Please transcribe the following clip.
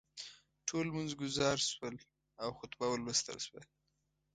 ټول لمونځ ګزار شول او خطبه ولوستل شوه.